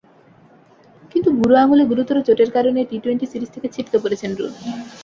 কিন্তু বুড়ো আঙুলে গুরুতর চোটের কারণে টি-টোয়েন্টি সিরিজ থেকে ছিটকে পড়েছেন রুট।